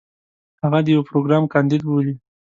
هغه د يو پروګرام کانديد بولي.